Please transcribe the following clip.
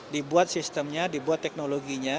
dibuat sistemnya dibuat teknologinya